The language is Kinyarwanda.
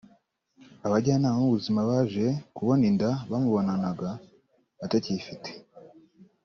Abajyanama b’ ubuzima baje kubona inda bamubonanaga atakiyifite